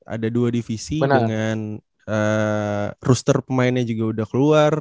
ada dua divisi dengan roster pemainnya juga udah keluar